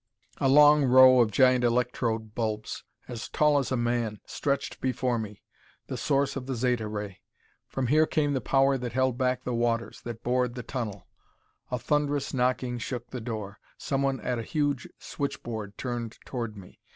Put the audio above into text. A long row of giant electrode bulbs, as tall as a man, stretched before me the source of the Zeta ray. From here came the power that held back the waters, that bored the tunnel. A thunderous knocking shook the door. Someone at a huge switchboard turned toward me.